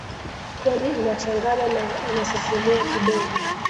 kweli inachanganya na inasisimua kidogo